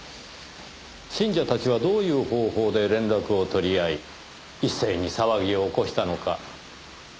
信者たちはどういう方法で連絡を取り合い一斉に騒ぎを起こしたのか。